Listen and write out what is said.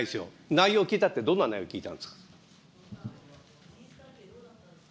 内容聞いたって、どんな内容聞いたんですか。